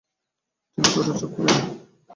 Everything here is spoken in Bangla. ঠিক ধরেছ, কুইন।